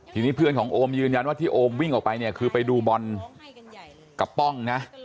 ทีนี้เพื่อนของโอมยืนยันว่าที่โอมวิ่งออกไปเนี่ยคือไปดูบอลกับป้องนะ